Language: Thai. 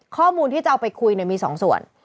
ข้อมูลที่จะเอาไปคุยมี๒ส่วน